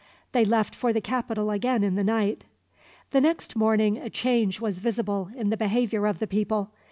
They left for the capital again in the night. The next morning a change was visible in the behavior of the people.